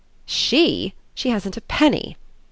She hasn't a penny."